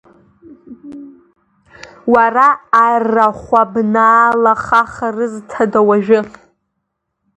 Уара, арахәабнаалахахарызҭадауажәы?!